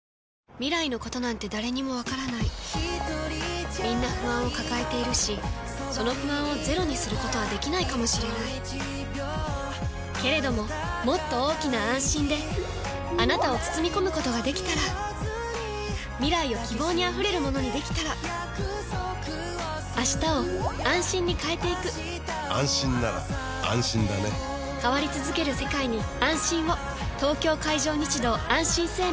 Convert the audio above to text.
未来のことなんて誰にもわからないみんな不安を抱えているしその不安をゼロにすることはできないかもしれないけれどももっと大きな「あんしん」であなたを包み込むことができたら未来を希望にあふれるものにできたら変わりつづける世界に、「あんしん」を。東京海上日動あんしん生命